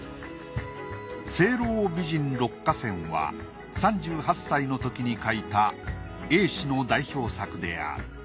『青樓美人六花仙』は３８歳の時に描いた栄之の代表作である。